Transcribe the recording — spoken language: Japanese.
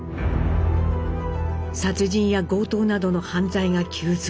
殺人や強盗などの犯罪が急増。